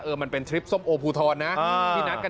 เออมันเป็นทริปส้มโอพูทอนนะ